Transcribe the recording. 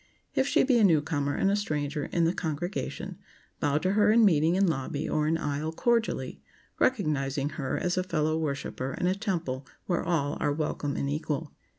If she be a newcomer and a stranger in the congregation, bow to her in meeting in lobby or in aisle cordially, recognizing her as a fellow worshiper in a temple where all are welcome and equal.